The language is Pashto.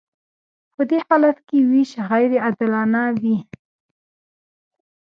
په دې حالت کې ویش غیر عادلانه وي.